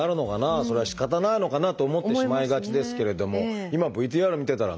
それはしかたないのかなと思ってしまいがちですけれども今ＶＴＲ見てたらね